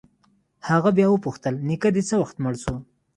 هغه بيا وپوښتل نيکه دې څه وخت مړ سو.